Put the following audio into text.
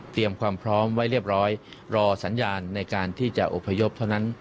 ความพร้อมไว้เรียบร้อยรอสัญญาณในการที่จะอพยพเท่านั้น